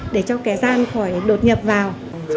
để cho kẻ giang khỏi đột nhập vào